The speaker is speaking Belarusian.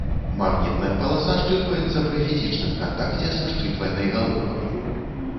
Магнітная паласа счытваецца пры фізічным кантакце са счытвальнай галоўкай.